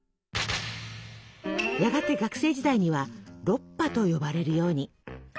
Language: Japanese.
やがて学生時代には「ロッパ」と呼ばれるように。